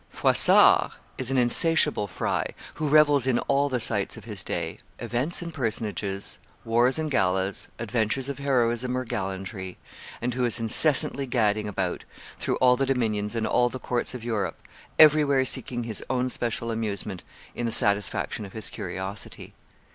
Froissart is an insatiable Fry, who revels in all the sights of his day, events and personages, wars and galas, adventures of heroism or gallantry, and who is incessantly gadding about through all the dominions and all the courts of Europe, everywhere seeking his own special amusement in the satisfaction of his curiosity.